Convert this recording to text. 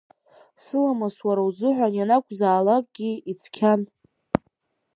Сыламыс уара узыҳәан ианакәзаалакгьы ицқьан.